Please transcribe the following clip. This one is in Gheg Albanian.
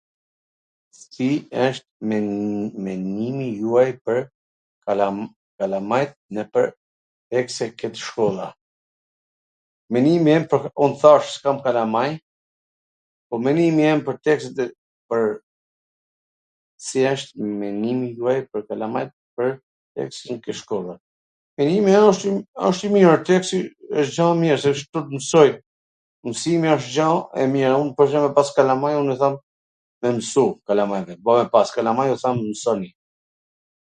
Cili wsht mendimi juaj pwr kalamajt nwpwr tekstet ke shkolla? Menimi im, un thash, s kam kalamaj, po menimi im pwr tekstet ... pwr... Menimi wsht i mir, teksti asht gja e mir, se po t mwsoj mwsimin asht gja e mir, edhe un po, pwr shwmbull, me pas kalamaj un e thom me msu kalamajve, bo me pas kalamaj u them msoni,